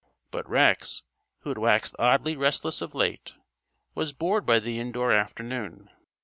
But Rex, who had waxed oddly restless of late, was bored by the indoor afternoon.